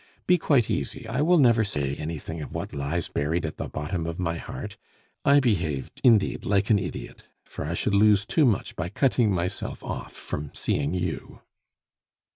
Be quite easy; I will never say anything of what lies buried at the bottom of my heart. I behaved, indeed, like an idiot, for I should lose too much by cutting myself off from seeing you."